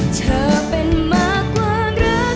ขอบคุณค่ะ